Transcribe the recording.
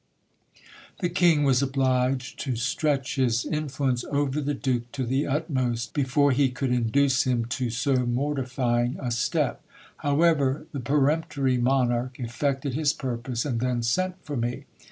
The King was obliged to stretch his influence over the Duke to the utmost, before he could induce him to so mortifying a step. However, the peremptory monarch effected his purpose, and then sent for me.